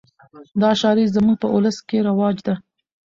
دا شاعري زموږ په اولس کښي رواج ده.